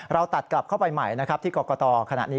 เราตัดกลับเข้าไปใหม่ที่กรกฎขณะนี้